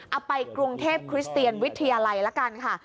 เอาไปกรุงเทพคริสเตียนวิทยาลัยละกันค่ะ